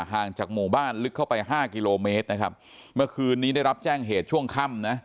ห่างจากหมู่บ้านลึกเข้าไปห้ากิโลเมตรนะครับเมื่อคืนนี้ได้รับแจ้งเหตุช่วงค่ำนะ